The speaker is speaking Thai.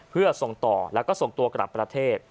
เพื่อส่งต่อแล้วก็ส่งตัวกลับประเทศ